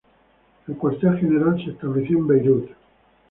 El cuartel general se estableció en Beirut.